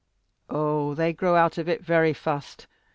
"Oh, they grow out of it very fast.